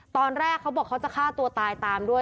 ตอนแรกเขาบอกเขาจะฆ่าตัวตายตามด้วย